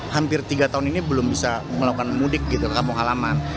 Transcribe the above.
hampir tiga tahun ini belum bisa melakukan mudik gitu ke kampung halaman